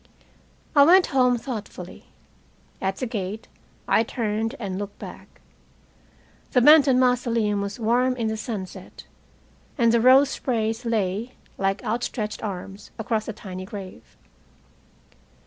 I went home thoughtfully. At the gate I turned and looked back. The Benton Mausoleum was warm in the sunset, and the rose sprays lay, like outstretched arms, across the tiny grave.